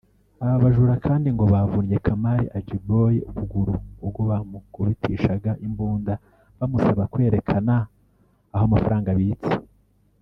Aba bajura kandi ngo bavunnye Kamal Ajiboye ukuguru ubwo bamukubitishaga imbunda bamusaba kwerekana aho amafaranga abitse